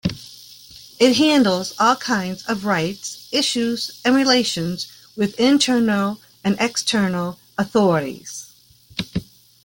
It handles all kinds of rights issues and relations with internal and external authorities.